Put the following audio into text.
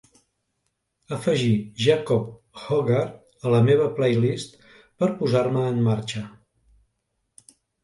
afegir Jacob Hoggard a la meva playlist per posar-me en marxa